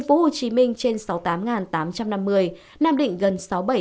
tp hcm trên sáu mươi tám tám trăm năm mươi nam định gần sáu mươi bảy ba trăm linh